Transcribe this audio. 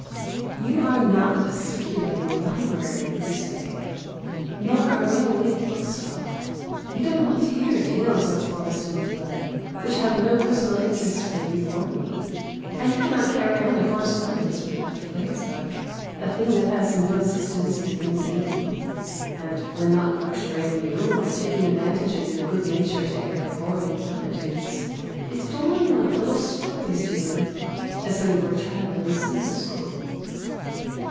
You are not a circulating library, you say, nor a railway book stall; you don't want to hear tales of forest and flood which have no personal interest for you or me; and you cannot carry on a correspondence with a phrase book, a thing that has no existence as a human being, and, when not lecturing you, or taking advantage of your good nature to air boring platitudes, is doling out little stories to you, as though you were a child in a Sunday School.